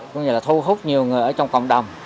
cũng như là thu hút nhiều người ở trong cộng đồng